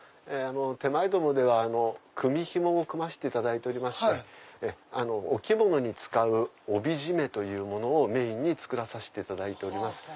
手前どもは組み紐を組ませていただいておりましてお着物に使う帯締めをメインに作らさせていただいております。